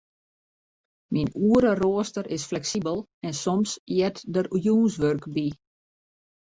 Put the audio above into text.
Myn oereroaster is fleksibel en soms heart der jûnswurk by.